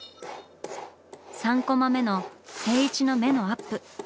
３コマ目の静一の目のアップ。